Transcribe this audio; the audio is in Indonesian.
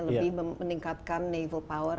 lebih meningkatkan naval power